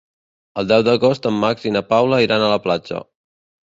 El deu d'agost en Max i na Paula iran a la platja.